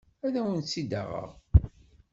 Ad awent-tt-id-aɣeɣ.